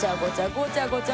ごちゃごちゃ